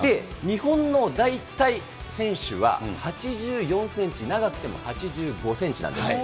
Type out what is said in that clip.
日本の大体、選手は、８４センチ、長くても８５センチなんです。